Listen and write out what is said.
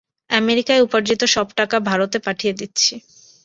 আমেরিকায় উপার্জিত সব টাকা ভারতে পাঠিয়ে দিচ্ছি।